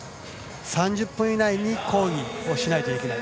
３０分以内に抗議をしないといけない。